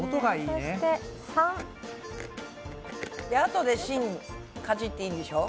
であとで芯かじっていいんでしょ？